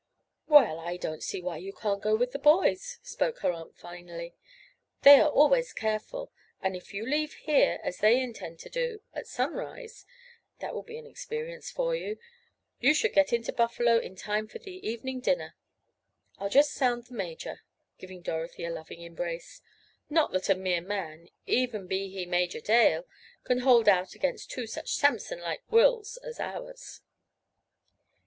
"Well, I don't see why you can't go with the boys," spoke her aunt finally. "They are always careful, and if you leave here, as they intend to do, at sunrise (that will be an experience for you) you should get into Buffalo in time for the evening dinner. I'll just sound the major," giving Dorothy a loving embrace. "Not that a mere man, even be he Major Dale, can hold out against two such Sampson like wills as ours."